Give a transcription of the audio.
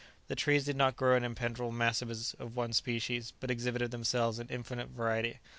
The trees did not grow in impenetrable masses of one species, but exhibited themselves in infinite variety.